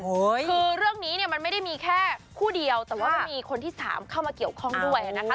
คือเรื่องนี้เนี่ยมันไม่ได้มีแค่คู่เดียวแต่ว่าไม่มีคนที่สามเข้ามาเกี่ยวข้องด้วยนะคะ